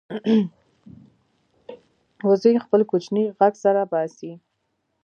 وزې خپل کوچنی غږ سره باسي